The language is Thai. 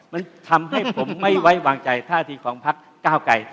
มันทำให้ผมไม่ไว้วางใจท่าทีของพักเก้าไกร